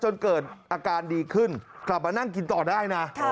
จนเกิดอาการดีขึ้นกลับมานั่งกินต่อได้นะ